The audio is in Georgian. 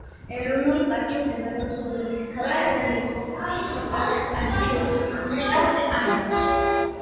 ეროვნული პარკი მდებარეობს უძველესი ქალაქისა და ნეკროპოლის არქეოლოგიური ნაშთების არეალში.